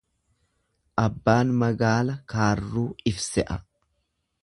Abbaan magaala kaarruu if se'a.